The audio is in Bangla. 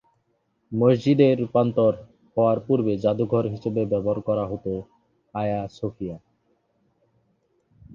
মসজিদে রূপান্তর হওয়ার পূর্বে জাদুঘর হিসেবে ব্যবহার করা হতো আয়া সোফিয়া।